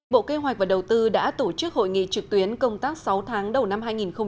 bộ kế hoạch và đầu tư đã tổ chức hội nghị trực tuyến công tác sáu tháng đầu năm hai nghìn hai mươi